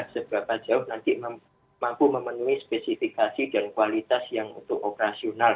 seberapa jauh nanti mampu memenuhi spesifikasi dan kualitas yang untuk operasional